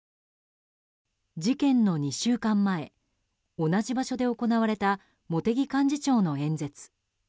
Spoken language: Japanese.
事件の２週間前同じ場所で行われた茂木幹事長の演説。